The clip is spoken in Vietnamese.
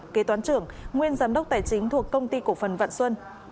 kế toán trưởng nguyên giám đốc tài chính thuộc công ty cổ phần vạn xuân